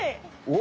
お！